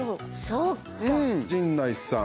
そして陣内さん